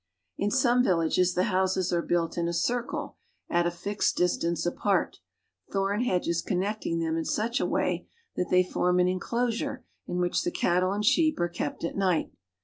In some villages the houses arc built in a circle at a fixed distance apart, thorn hedges connecting them in such a way that they form an inclosure in which the cattle and sheep are kept at night.